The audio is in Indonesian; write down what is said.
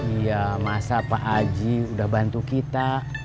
iya masa pak aji udah bantu kita